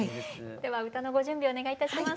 では歌のご準備お願いいたします。